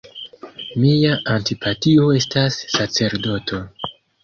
Mia antipatio estas sacerdoto.